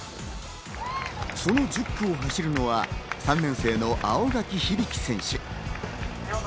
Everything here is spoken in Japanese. その１０区を走るのは３年生の青柿響選手。